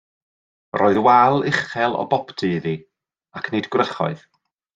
Roedd wal uchel o boptu iddi, ac nid gwrychoedd.